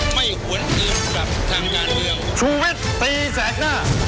ไม่หวนอื่นกับทางด้านเดียว